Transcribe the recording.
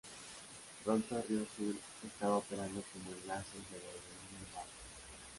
Pronto Rio-Sul estaba operando como enlaces de la aerolínea Varig.